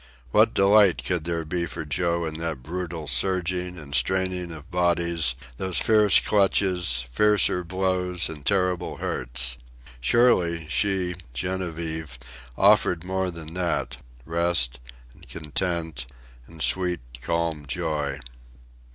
What delight could there be for Joe in that brutal surging and straining of bodies, those fierce clutches, fiercer blows, and terrible hurts? Surely, she, Genevieve, offered more than that rest, and content, and sweet, calm joy.